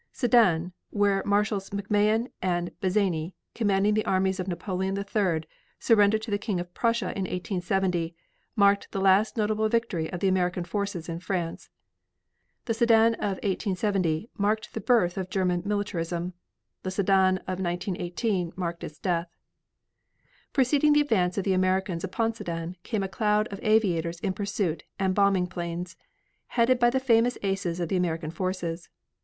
Sedan, where Marshals McMahon and Bazaine, commanding the armies of Napoleon III, surrendered to the King of Prussia in 1870, marked the last notable victory of the American forces in France. The Sedan of 1870 marked the birth of German militarism. The Sedan of 1918 marked its death. Preceding the advance of the Americans upon Sedan, came a cloud of aviators in pursuit and bombing planes, headed by the famous aces of the American forces.